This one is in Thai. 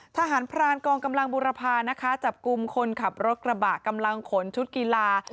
ทหารพรานกองกำลังบุรพานะคะจับกลุ่มคนขับรถกระบะกำลังขนชุดกีฬา